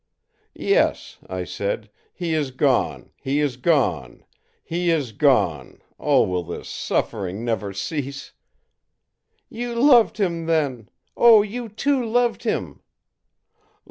ì'Yes!' I said, 'he is gone, he is gone, he is gone oh, will this suffering never cease!' ì'You loved him, then! Oh, you too loved him!'